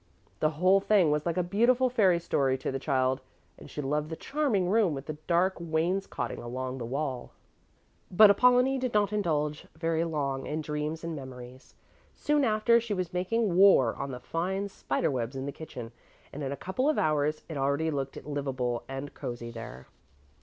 The whole thing was like a beautiful fairy story to the child, and she loved the charming room with the dark wainscoting along the wall. But Apollonie did not indulge very long in dreams and memories. Soon after, she was making war on the fine spider webs in the kitchen, and in a couple of hours it already looked livable and cosy there.